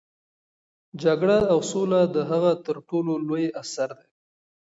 جګړه او سوله د هغه تر ټولو لوی اثر دی.